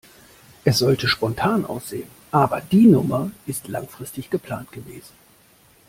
Es sollte spontan aussehen, aber die Nummer ist langfristig geplant gewesen.